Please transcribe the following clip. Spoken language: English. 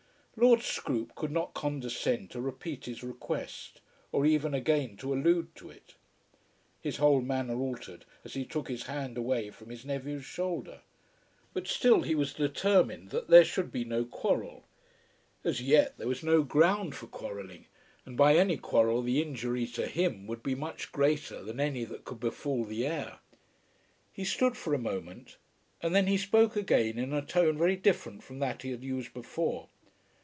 Lord Scroope could not condescend to repeat his request, or even again to allude to it. His whole manner altered as he took his hand away from his nephew's shoulder. But still he was determined that there should be no quarrel. As yet there was no ground for quarrelling, and by any quarrel the injury to him would be much greater than any that could befall the heir. He stood for a moment and then he spoke again in a tone very different from that he had used before.